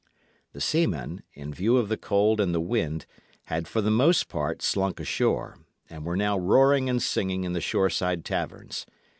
The seamen, in view of the cold and the wind, had for the most part slunk ashore, and were now roaring and singing in the shoreside taverns.